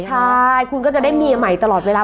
ใช่คุณก็จะได้เมียใหม่ตลอดเวลา